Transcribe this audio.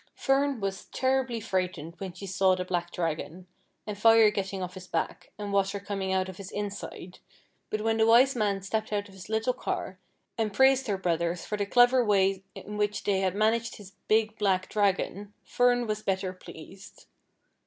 Fern was terribly frightened when she saw the black Dragon, and Fire getting off his back, and Water coming out of his inside; but when the Wise Man stepped out of his litt'.e car and praised her brothers for the clever way in which they had managed his big black Dragon, Fern was better pleased.